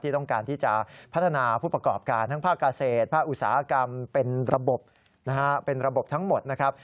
ที่ต้องการที่จะพัฒนาผู้ประกอบการทั้งภาคกาเศษภาคอุตสาหกรรมเป็นระบบทั้งหมดนะครับ